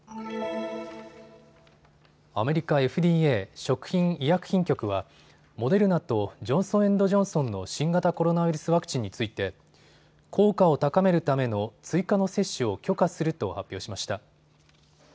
アメリカＦＤＡ・食品医薬品局はモデルナとジョンソン・エンド・ジョンソンの新型コロナウイルスワクチンについて効果を高めるための追加の接種を許可すると発表しました。